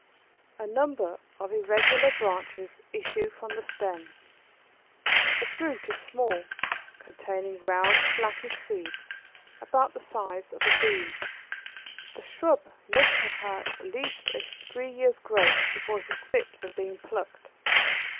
A number of irregular branches issue from the stem. The fruit is small, containing round blackish seeds, about the size of a bean. The shrub must have at least a three years' growth before it is fit for being plucked.